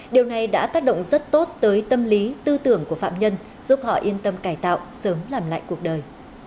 điều này đã tác động rất tốt tới tâm lý tư tưởng của phạm nhân giúp họ yên tâm cải tạo sớm làm lại cuộc đời